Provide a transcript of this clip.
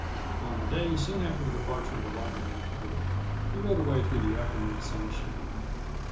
On a day soon after the departure of the wagon outfit he rode away through the afternoon sunshine.